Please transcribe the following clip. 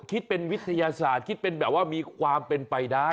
คิดเป็นวิทยาศาสตร์คิดเป็นแบบว่ามีความเป็นไปได้